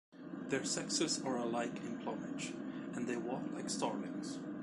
Their sexes are alike in plumage, and they walk like starlings.